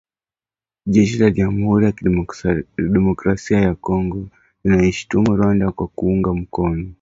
Jeshi la Jamhuri ya kidemokrasia ya Kongo linaishutumu Rwanda kwa kuunga mkono.